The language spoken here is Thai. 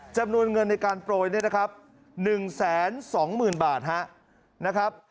จำนวนเงินในการโปรยเนี่ยนะครับ๑๒๐๐๐บาทนะครับ